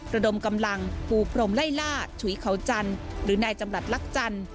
ระดมกำลังปูพรมไล่ล่าฉุยเขาจันทร์หรือนายจำรัฐลักจันทร์